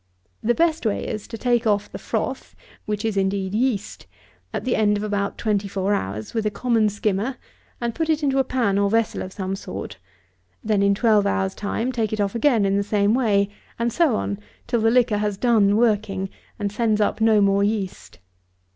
The best way is, to take off the froth (which is indeed yeast) at the end of about twenty four hours, with a common skimmer, and put it into a pan or vessel of some sort; then, in twelve hours' time, take it off again in the same way; and so on till the liquor has done working, and sends up no more yeast.